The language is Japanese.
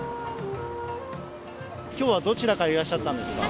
きょうはどちらからいらっしゃったんですか？